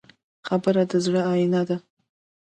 خبره د زړه آیینه ده.